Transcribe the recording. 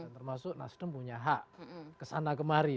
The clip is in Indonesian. termasuk nasdem punya hak kesana kemari